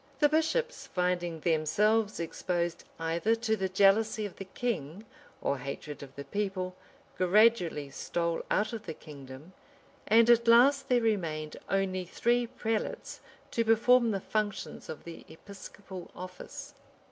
The bishops, finding themselves exposed either to the jealousy of the king or hatred of the people, gradually stole out of the kingdom; and at last there remained only three prelates to perform the functions of the episcopal office.